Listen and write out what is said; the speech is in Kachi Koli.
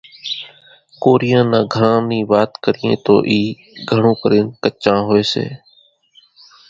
ڪوريان نان گھران نِي وات ڪريئين تو اِي گھڻون ڪرينَ ڪچان هوئيَ سي۔